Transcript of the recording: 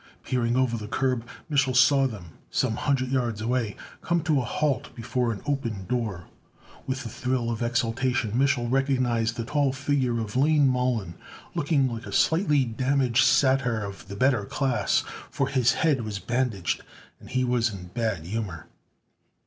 Peering over the curb, Mich'l saw them, some hundred yards away, come to a halt before an opened door. With a thrill of exultation Mich'l recognized the tall figure of Lane Mollon, looking like a slightly damaged satyr of the better class, for his head was bandaged, and he was in bad humor.